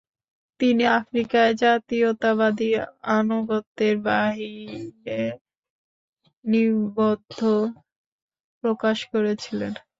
তিনি আফ্রিকায় জাতীয়তাবাদী আনুগত্যের বাইরে নিবন্ধ প্রকাশ করেছিলেন ।